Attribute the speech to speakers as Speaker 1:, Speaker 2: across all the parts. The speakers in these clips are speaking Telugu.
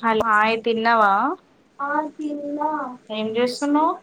Speaker 1: హాలో హయ్ తిన్నవా ఆ తిన్న ఏం జేసున్నవ్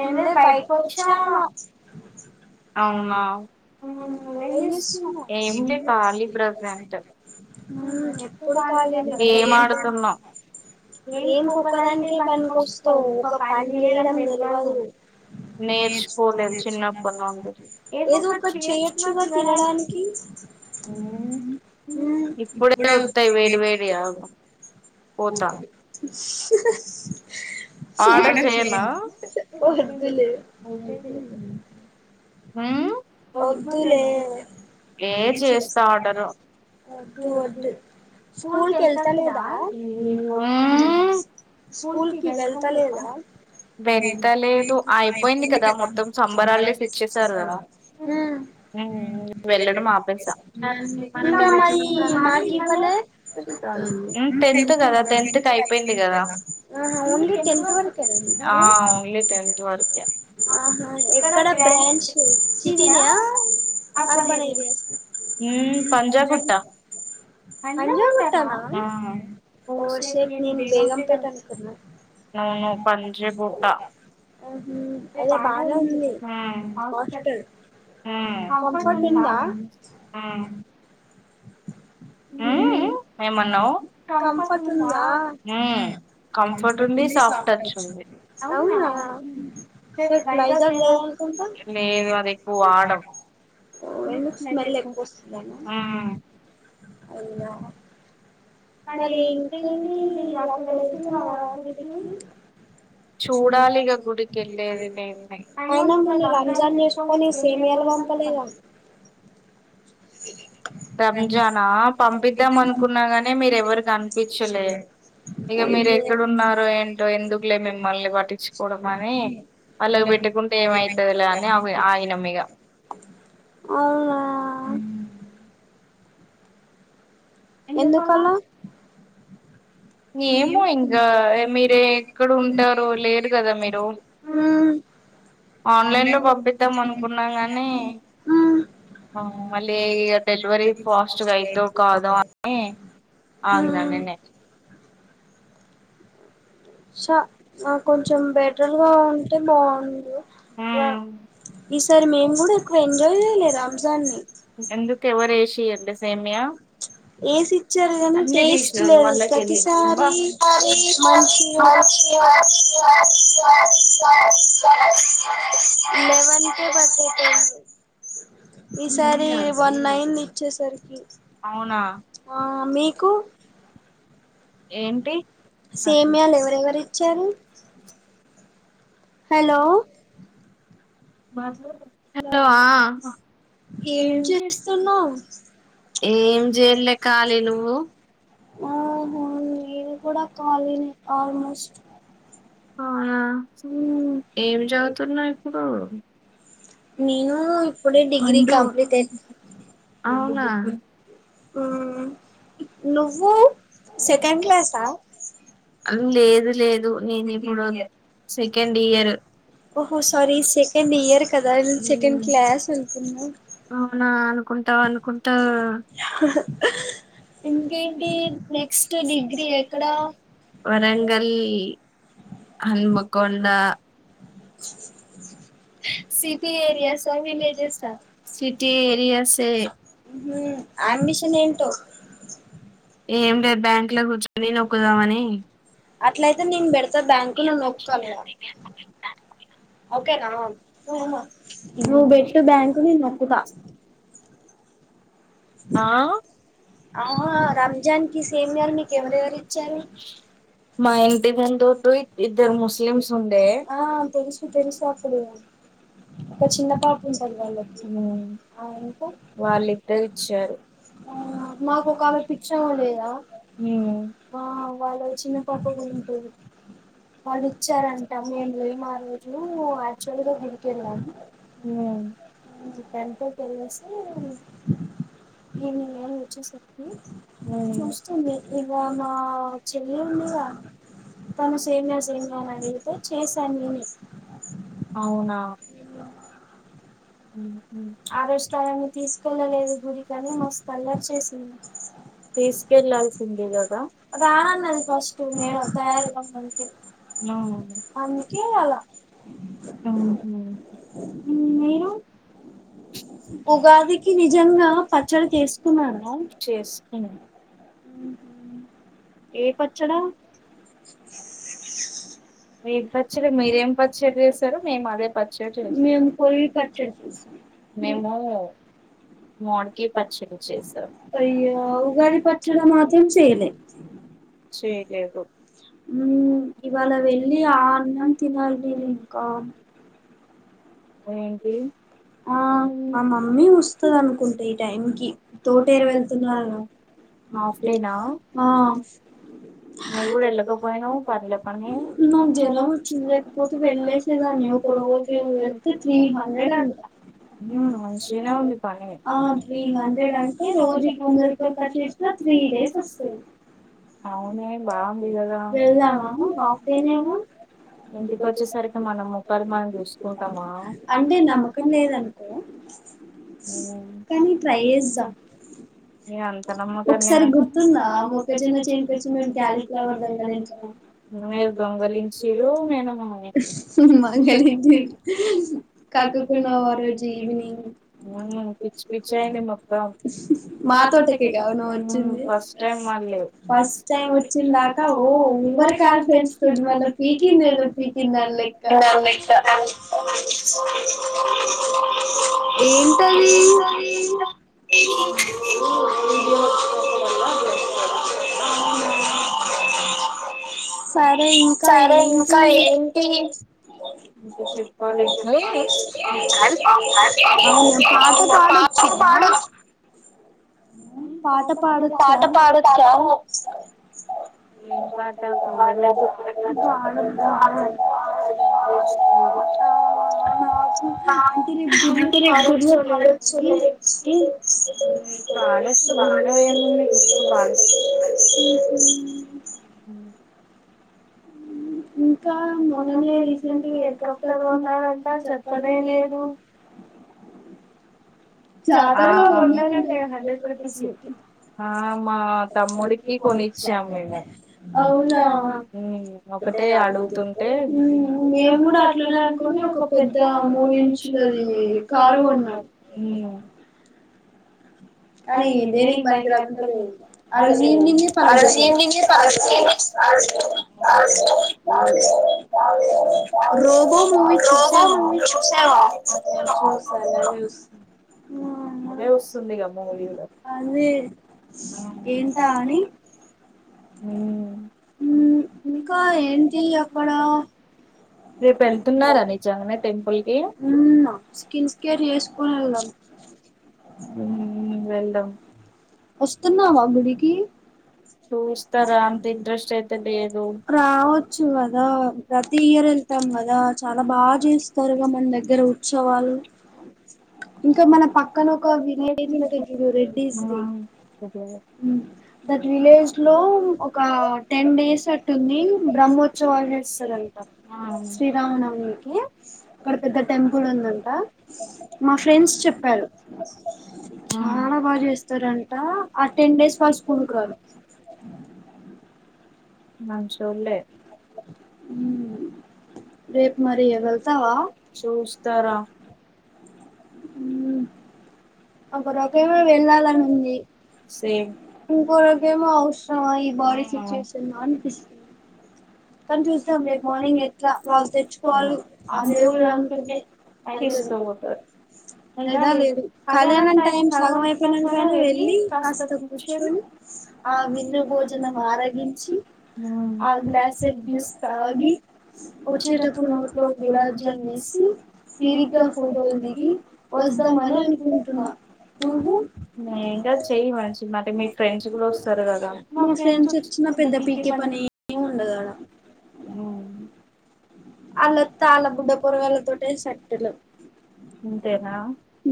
Speaker 1: ఏం లేదు బయటికొచ్చా అవునా మరి నువేం జేసునవ్ ఏం లె ఖాళీ ప్రెసెంట్ నువ్వెప్పుడు ఖాళీ నె కదా గేమ్ ఆడుతున్న ఏం ఒక్కదానికే పనీకోస్తున్నవ్ ఒక పని చేయడం తెల్వదు నేర్చుకోలేదు చిన్నప్పన అందరు ఏదొ ఒకటి చేయొచ్చుగా తినడానికి ఊ ఇప్పుడే వొత్తయి వేడి వేడి ఆగు
Speaker 2: ఆర్డర్ చేయనా ఓహ్ ఒద్దులే మ్ ఒద్దులే ఏ చేస్తా ఆర్డర్ ఒద్దు ఒద్దు స్కూల్ కెళ్తలేదా ఆ స్కూల్ కి వెళ్తలేదా
Speaker 1: వెళ్తలేదు అయిపోయింది కదా మొత్తం సమ్మర్ హలిడేస్ ఇచ్చిర్
Speaker 2: ఇచ్చేసారు కూడా ఊ ఊ వెళ్లడం ఆపేసా ఇంక మరి మాకివ్వలె టెన్త్ ల కదా టెన్త్ ల ఐపోయింది కదా అహ ఒన్లీ టెన్త్ వరకేనా మికూ ఆహా ఎక్కడ
Speaker 1: బ్రాంచ్
Speaker 2: చ్ సిటిన్యా అర్బన్ ఏరియాస్ ఊ కొంచం తక్కువ పంజాగుట్టానా ఓ షెట్ నేను బేగంపేట అనుకున్న
Speaker 1: అవును పంజాగుట్ట
Speaker 2: మ్ హు అదే బానే ఉంది ఊ హాస్టల్ కంఫర్ట్ ఉందా మ్ ఏమన్నవ్ కంఫర్ట్ ఉందా మ్మ్ కంఫర్ట్ ఉంది సాఫ్టచ్చుంది షెట్ లైజాల్ లేదనుకుంటా లేదు అది ఎక్కువ వాడం ఆ ఎందుకు స్మెల్ ఎక్కువ వస్తుందన మ్మ్ అవున మరి ఇంకేంటి అక్కడ ఎళ్తున్నవా గుడికి చూడాలి [unintelligible] ఐన మొన్న రంజాన్ చేసుకొని సేమ్యాలు రంపలీదా
Speaker 1: రంజానా పంపిద్దాం అనుకున్న గని మీరు ఎవరు గనిపిచ్చలే ఇగ మీరు ఎక్కడున్నారో ఏంటో ఎందుకులే మిమ్మల్ని పట్టించుకోడం అనీ ఆళ్లగు పెట్టుకుంటే ఏమైతదిలే అని అవి ఆగినం ఇగ
Speaker 2: అవునా ఎందుకలా ఎమో ఇంగా మీరేక్కడుంటారొ తెలియదు గదా మీరు ఆ ఆన్లైన్ లొ పంపిద్దాం అనుకున్నా గానీ ఆ
Speaker 1: ఆ మళ్ళీ ఇగ డెలివరీ ఫాస్ట్గా అయిదొ కాదో అని ఆగిన నెన్నే [unintelligible] ఆ ఈసారి నేను గూడా ఒక పెద్ద రంజాన్ [unintelligible] అంటె ఎందుక్ ఎవరు ఇషియద్ద సేమ్యా
Speaker 2: ఏసి ఇచ్చర్ గని టేస్ట్ లేద్ ప్రతిసారి మంచి ఇగ లెవన్ ఓకే బటు టెల్లు ఈ సారి వన్ అయింది ఇచ్చేసరికి అవునే ఆ మీకు [inaudible] సేమ్యాలు ఎవరెవరు ఇచ్చారు? హలో
Speaker 1: [unintelligible] ఆ ఏం చేస్తున్నవ్? ఏం జెయన్లే ఖాళీ నువ్వు?
Speaker 2: ఆ హు నేను కూడా ఖాళీ నే ఆల్మోస్ట్
Speaker 1: అవునా సూడు ఏం చదువుతున్నవ్ ఇప్పుడు?
Speaker 2: నేను ఇప్పుడే డిగ్రీ కంప్లీటెడ్ ఉమ్ నువ్వు సెకండ్ క్లాసా?
Speaker 1: అం లేదు లేదు నేను ఇప్పుడు సెకండ్ ఇయర్ ఒక్కో సారీ సెకండ్ ఇయర్ గద ఉమ్మ్ [unintelligible] ఔన అనుకుంట అనుకుంటా ఇంకేంటి నెక్స్ట్ డిగ్రీ ఎక్కడ? హన్మకొండ
Speaker 2: [inaudible] సిటీ ఏరియాస్ అ విలేజెస్ అ ఉహు అన్ని మిషన్ ఏంటో
Speaker 1: ఎం లేద్ బ్యాంక్లో గుర్చొని నొక్కుదామని అట్లయితే నేన్ చెప్పిన బ్యాంక్ కి ఇగ మంచిర్యాల్ లోనె ఓకే కదా ఉమ్ నువ్ వేషిన బ్యాంక్ నేన్ లాస్ ఆ [unintelligible] ఆదివారం మంచిగనిపిస్తే ఏం చేయనికి ఎదురుగ ఏం కన్పించేది మా ఇంటికి ముందు టు ఇద్దరు ముస్లిమ్స్ ఉండె ఒక శిన్న పాప ఉంటది గద ఉమ్ ఆమె ఉంటె ఇచ్చారు ఉ శిన్న పాప గుడ ఉంటది వాళ్ళు ఒచ్చారంట మేమ్ లేం ఆ రోజూ ఆక్చువల్ గా గుడికెల్లాం
Speaker 2: ఉమ్ బ్యాంకుకి ఏల్లేసి [unintelligible] ఎం. ఎల్. ఎ చూసుకొని ఉమ్ చూస్తుంది ఆమె చెల్లి ఉంది [inaudible] ఉ ఓ తను సేమ్యా స్లొ చేయమని అట్ల అడిగితే చేశాన్ నేనే
Speaker 1: ఉమ్ ఆ రోజు తనని తీసుకెళ్ళలేదు గుడికి అని మస్త్ అల్లరి చేసింది తీసుకెళ్లాల్సింది గద అందుకే అల మరి నేను
Speaker 2: ఉగాదికి నిజంగ పచ్చడి చేసుకున్నార? [inaudible] ఏ పచ్చడ? [unintelligible] ఏం పచ్చడ ఏం పచ్చడ ఏసావ్ మేము అదే పచ్చడ చేసాం
Speaker 1: మేము మామిడి కాయ పచ్చడి చేసమ్ అయ్యో ఉగాది పచ్చడ మాత్రం చేయాలే
Speaker 2: ఉమ్ ఇవాళ వెళ్ళి ఆ అన్నం తినాలి నేన్ ఇంక ఆమ్
Speaker 1: ఏంటి
Speaker 2: ఆ మా మమ్మీ వస్తది అనుకుంటె ఈ టైం కి తోటేరు వెళ్తున్నార్గ హాఫ్ డే న
Speaker 1: నువ్ గూడ ఏళ్లక పోయినావ్ పనిలో పని ఒకరోజ ఎంత త్రీ హండ్రెడ్ అంట అవును మంచిగానే ఉంది పని త్రీ డేస్ అస్సలు బాగుంది గదా
Speaker 2: ఇంటికొచ్చేసరికి [unintelligible] అంటే నమ్మకం లేద్ అనుకో కానీ ట్రై చేస్తా
Speaker 1: ఏ అంత నమ్మకం లేద్ నేను కాలీఫ్లవర్ దొంగలించిన [unintelligible] తాటుకున్న వారే జీవిలు మా తోటకే మన వెళ్ళింది ఫస్ టైం వచ్చిందాకా ఓ ఓవర్ కాన్ఫిడెన్స్ గద మనక్ పీకిందెదో పీకిందన్లెక్క [unintelligible]
Speaker 2: ఏంటది [inaudible] [inaudible] సరే ఇంకా ఏంటి ఇంక చెప్పాలి నువ్వే అవునా పాట పాడొచ్చా
Speaker 1: ఉమ్ పాట పాడొచ్చ ఏం పాట హౌస్ఫుల్ [inaudible] చాలా స్లిమ్ అయింది పాడొచ్చు ఉమ్
Speaker 2: ఇంకా మొన్ననే రీసెంట్ హెలికాప్టర్ కొన్న విషయం చెప్పనే లేదు
Speaker 1: జాతరలో కొన్నారంటగా హండ్రెడ్ రూపీస్ కి ఆ మా తమ్ముడికి కొనిచ్చాం మేము ఒకటే అడుగుతుంటే అది కార్ కొంటా
Speaker 2: కానీ దైనిక్ పనికి రాకుండా పోయింది ఆ రోజ ఇవనింగ్ ఏ పాడుజేష్ రోబో మూవీ చూసావా ఆహ్ చూసా నువ్ చూస్
Speaker 1: అదే వస్తుందిగా మూవీ కూడా ఉమ్
Speaker 2: నువ్వు వెళ్తున్నావా గుడి దగ్గరికి
Speaker 1: ఉమ్ వెళ్దాం
Speaker 2: వస్తున్నావా గుడికి చూస్తార అంత ఇంట్రెస్ట్ అయితే లేదు ఏళ్తాం గదా చాలా బాగా జేస్తారుగా మన దగ్గర ఉత్సవాలు ఇంకా మన పక్కన ఒక విలేజ్ ఉంటది చూడు రెడ్డీస్ది దట్ విలేజ్ లో ఒక టెన్ డేస్ అట్టుంది బ్రహ్మోత్సవాలు జేసుండ్రంట శ్రీరామనవమికి అక్కడ పెద్ద టెంపుల్ ఉందంట మా ఫ్రెండ్స్ చెప్పారు చాలా బాగా జేస్తారంట ఆ టెన్ డేస్ వాళ్ స్కూల్కి రారు ఉమ్ రేపు మరి వెళ్తావా
Speaker 1: మ్
Speaker 2: ఒక రోప్ ఏమో వెళ్ళాలని ఉంది ఇంకో రకేమో అవసరమా ఈ బారి సిచ్యుయేషన్ లో అనిపిస్తుంది
Speaker 1: కానీ చూద్దాం రేపు మార్నింగ్ చెప్తా వర్క్ చేసుకోవాలె ఆ దేవుడు అనుకుంటే తీసుకపోతాడు అలా లేదు మధ్యానం టైమ్ చలహచ్చినకనే వెళ్ళి కాస్త కూచోనీ ఆ విందు భోజనం ఆరగించి ఆ గ్లాస్
Speaker 2: జూస్ తాగి ఓచ్చేటప్పు నోట్లో గులాబ్ జామ్ వేసి తిరి గ ఫోటోలు దిగి వజ్ధం అని అనుకుంటున్నా నువు మా ఫ్రెడ్స్ ఒచ్చీ న పెద్ద పికె పని
Speaker 1: ఏముండదు
Speaker 2: అల్ ఓతే ఆలబుడ పొరగల తోటే షెట్లు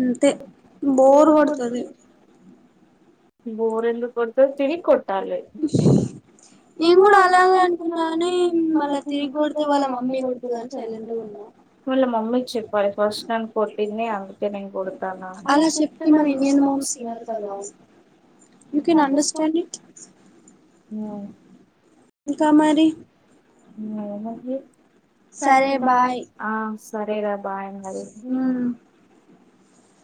Speaker 2: అంతే బోర్ కోడుతది
Speaker 1: బోరెందుకు కొడతది తిరిగ్ కొట్టాలే నేన్ కూడా అలాగ అనుకున కానీ మళ్ళ తీరిగోడుతే వాళ్ళ మమ్మీ కొడుతదని సైలెంటుగున్న వాళ్ళ మమ్మకి చెప్పాలి ఫస్ట్ నన్ను కొట్టింది అందుకే నేను కొడుతన అని స్నప్ కదా ఉ ఇంకా మరి సరే బాయ్ ఉ